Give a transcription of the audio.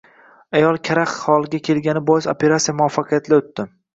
Ayol karaxt holga kelgani bois operatsiya muvaffaqiyatli o‘tdi